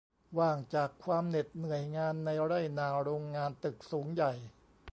ว่างจากความเหน็ดเหนื่อยงานในไร่นา โรงงาน ตึกสูงใหญ่